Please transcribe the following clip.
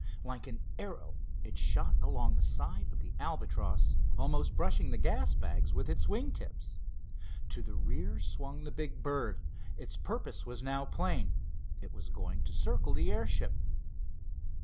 Like an arrow it shot along the side of the Albatross, almost brushing the gas bags with its wing tips. To the rear swung the big bird. Its purpose was now plain. It was going to circle the airship.